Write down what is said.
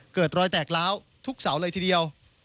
เกิดรอยแตกล้าวทุกเสาเลยทีเดียว